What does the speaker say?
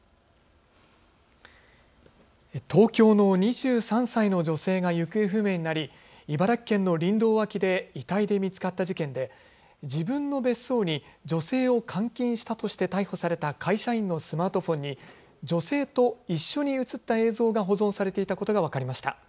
東京の２３歳の女性が行方不明になり茨城県の林道脇で遺体で見つかった事件で自分の別荘に女性を監禁したとして逮捕された会社員のスマートフォンに女性と一緒に写った映像が保存されていたことが分かりました。